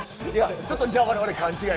ちょっとじゃあ我々勘違い。